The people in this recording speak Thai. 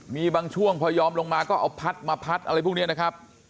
มีบางช่วงพอยอมลงมาก็เอาพัดมาพัดอะไรพวกนี้นะครับ